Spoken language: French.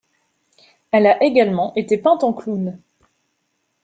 Elle a également été peinte en clown.